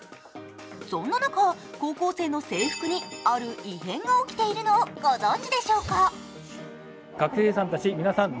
そんな中、高校生の制服にある異変が起きているのをご存じでしょうか。